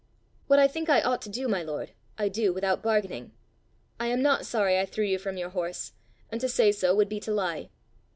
"What I think I ought to do, my lord, I do without bargaining. I am not sorry I threw you from your horse, and to say so would be to lie."